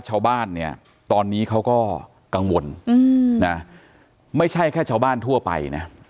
ชาวบ้านเนี่ยตอนนี้เขาก็กังวลนะไม่ใช่แค่ชาวบ้านทั่วไปนะ